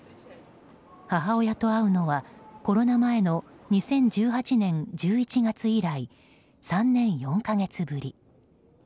母親と会うのはコロナ前の２０１８年１１月以来３年４か月ぶり。